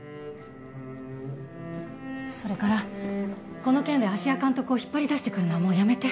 それからこの件で芦屋監督を引っ張り出してくるのはもうやめて。